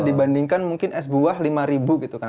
dibandingkan mungkin es buah lima ribu gitu kan